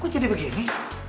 kok jadi begini